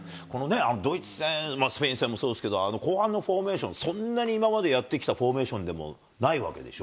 ドイツ戦、スペイン戦もそうですけど、後半のフォーメーション、そんなに今までやってきたフォーメーションでもないわけでしょ。